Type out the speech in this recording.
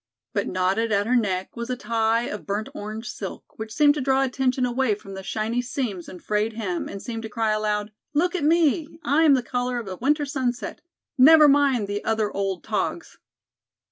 But knotted at her neck was a tie of burnt orange silk which seemed to draw attention away from the shiny seams and frayed hem and to cry aloud: "Look at me. I am the color of a winter sunset. Never mind the other old togs."